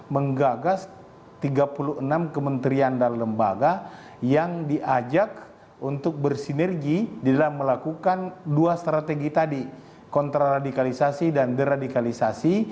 menggagas tiga puluh enam kementerian dan lembaga yang diajak untuk bersinergi dalam melakukan dua strategi tadi kontraradikalisasi dan deradikalisasi